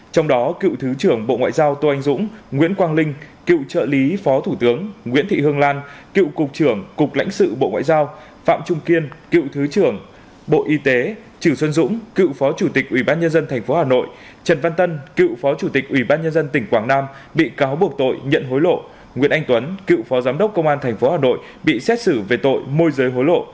trong đó cựu thứ trưởng bộ ngoại giao tô anh dũng nguyễn quang linh cựu trợ lý phó thủ tướng nguyễn thị hương lan cựu cục trưởng cục lãnh sự bộ ngoại giao phạm trung kiên cựu thứ trưởng bộ y tế trừ xuân dũng cựu phó chủ tịch ủy ban nhân dân tp hà nội trần văn tân cựu phó chủ tịch ủy ban nhân dân tỉnh quảng nam bị cáo buộc tội nhận hối lộ nguyễn anh tuấn cựu phó giám đốc công an tp hà nội bị xét xử về tội môi rời hối lộ